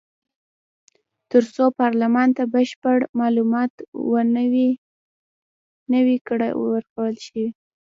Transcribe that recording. تر څو پارلمان ته بشپړ معلومات نه وي ورکړل شوي.